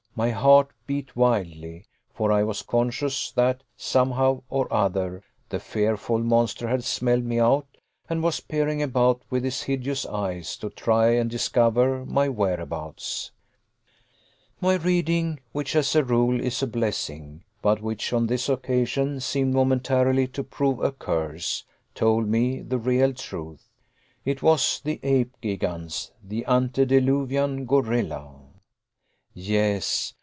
My heart beat wildly, for I was conscious that, somehow or other, the fearful monster had smelled me out and was peering about with his hideous eyes to try and discover my whereabouts. My reading, which as a rule is a blessing, but which on this occasion, seemed momentarily to prove a curse, told me the real truth. It was the Ape Gigans, the antediluvian gorilla. Yes!